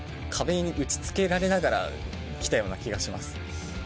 壁に打ちつけられながらきたような気がします。